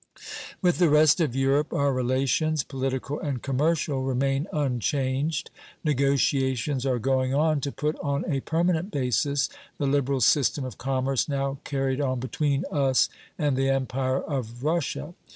With the rest of Europe our relations, political and commercial, remain unchanged. Negotiations are going on to put on a permanent basis the liberal system of commerce now carried on between us and the Empire of Russia.